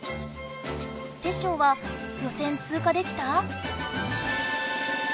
テッショウは予選通過できた？